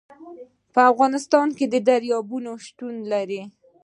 په افغانستان کې دریابونه شتون لري.